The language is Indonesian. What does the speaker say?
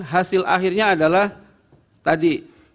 hasil akhirnya adalah tadi